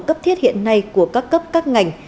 cấp thiết hiện nay của các cấp các ngành